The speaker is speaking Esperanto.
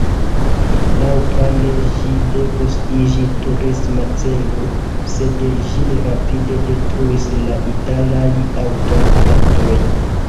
Laŭplane ĝi devus iĝi turisma celo, sed ĝin rapide detruis la italaj aŭtoritatoj.